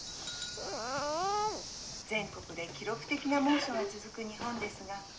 「全国で記録的な猛暑が続く日本ですが」。